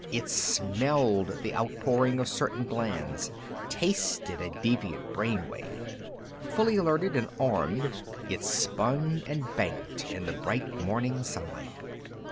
It smelled the outpouring of certain glands, tasted a deviant brain wave. Fully alerted and armed, it spun and banked in the bright morning sunlight.